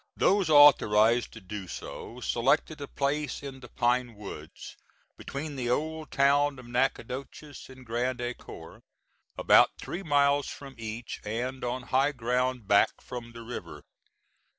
Those authorized to do so selected a place in the pine woods, between the old town of Natchitoches and Grand Ecore, about three miles from each, and on high ground back from the river.